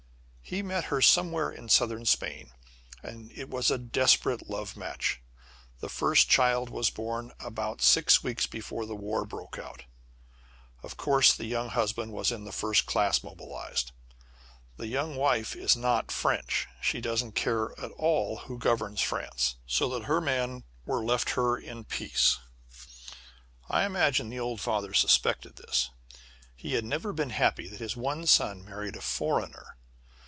He met her somewhere in Southern Spain, and it was a desperate love match. The first child was born about six weeks before the war broke out. Of course the young husband was in the first class mobilized. The young wife is not French. She doesn't care at all who governs France, so that her man were left her in peace. I imagine that the old father suspected this. He had never been happy that his one son married a foreigner.